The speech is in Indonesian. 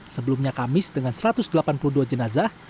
sebelumnya kamis dengan satu ratus delapan puluh dua jenazah